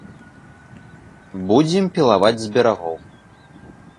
Будзем пілаваць з берагоў.